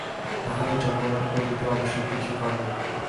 তাহাদের জন্মগত প্রবৃত্তি অবশ্য কৃষিকর্মে।